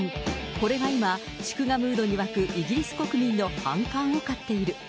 これが今、祝賀ムードに沸くイギリス国民の反感を買っている。